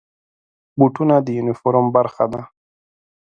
بوټونه د یونیفورم برخه ده.